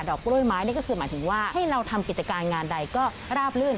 กล้วยไม้นี่ก็คือหมายถึงว่าให้เราทำกิจการงานใดก็ราบลื่น